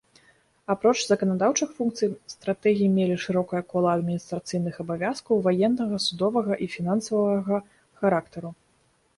Апроч заканадаўчых функцый, стратэгі мелі шырокае кола адміністрацыйных абавязкаў ваеннага, судовага і фінансавага характару.